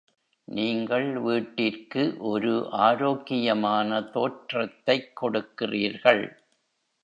நீங்கள் வீட்டிற்கு ஒரு ஆரோக்கியமான தோற்றத்தைக் கொடுக்கிறீர்கள்.